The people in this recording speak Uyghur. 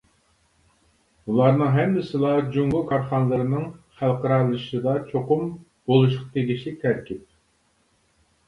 بۇلارنىڭ ھەممىسىلا جۇڭگو كارخانىلىرىنىڭ خەلقئارالىشىشىدا چوقۇم بولۇشقا تېگىشلىك تەركىب.